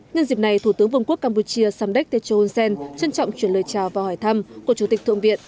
nhân dịp này thủ tướng vương quốc campuchia samdech techo hun sen trân trọng chuyển lời chào và hỏi thăm của chủ tịch thượng viện